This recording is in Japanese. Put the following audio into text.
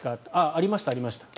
ありました、ありました。